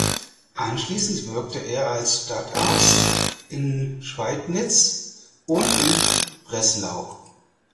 Anschließend wirkte er als Stadtarzt in Schweidnitz und in Breslau.